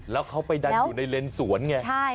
แล้วเขาไปดันอยู่ในเลนสวนไง